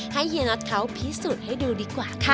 เฮียน็อตเขาพิสูจน์ให้ดูดีกว่าค่ะ